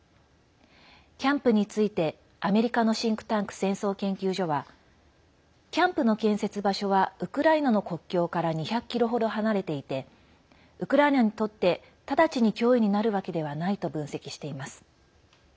キャンプについてアメリカのシンクタンク戦争研究所はキャンプの建設場所はウクライナの国境から２００ｋｍ程離れていてウクライナにとって直ちに脅威になるわけではないと分析しています。